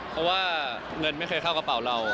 เพราะว่าเงินไม่เคยเข้ากระเป๋าเรา